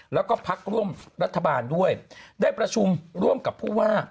แล้วก็พักร่วมรัฐบาลด้วยได้ประชุมร่วมกับผู้ว่า